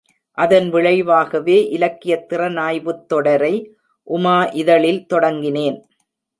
அதன் விளைவாகவே இலக்கியத் திறனாய்வுத் தொடரை உமா இதழில் தொடங்கினேன்.